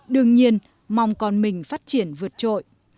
đương nhiên mong con mình phát triển vượt trội